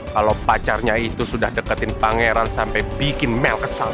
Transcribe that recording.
kalau pacarnya itu sudah deketin pangeran sampai bikin mel kesal